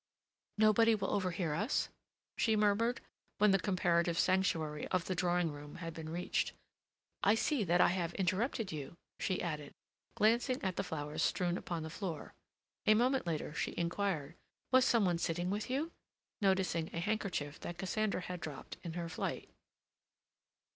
"Nobody will overhear us?" she murmured, when the comparative sanctuary of the drawing room had been reached. "I see that I have interrupted you," she added, glancing at the flowers strewn upon the floor. A moment later she inquired, "Was some one sitting with you?" noticing a handkerchief that Cassandra had dropped in her flight.